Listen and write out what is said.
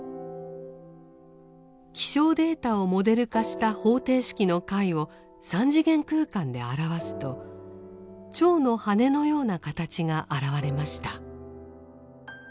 気象データをモデル化した方程式の解を３次元空間で表すと蝶の羽のような形が現れました。